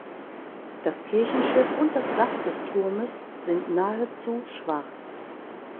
Das Kirchenschiff und das Dach des Turmes sind nahezu schwarz.